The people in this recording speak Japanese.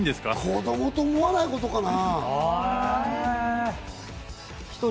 子供と思わないことかな。